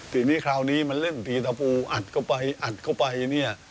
ทีนี้คราวนี้มันเล่นสีตะพูอัดเข้าไปอัดเข้าไปเนี่ย